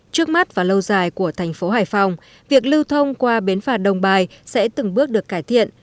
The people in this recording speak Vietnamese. trước mắt và lâu dài của thành phố hải phòng việc lưu thông qua bến phà đồng bài sẽ từng bước được cải thiện